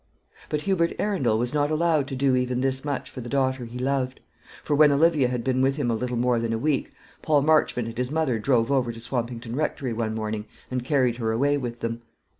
But Hubert Arundel was not allowed to do even this much for the daughter he loved; for when Olivia had been with him a little more than a week, Paul Marchmont and his mother drove over to Swampington Rectory one morning and carried her away with them.